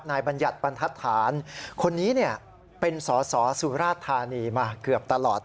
บัญญัติบรรทัศน์คนนี้เนี่ยเป็นสอสอสุราธานีมาเกือบตลอด